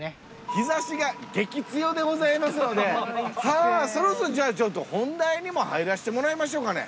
日差しが激強でございますのではぁそろそろじゃあ本題に入らしてもらいましょうかね。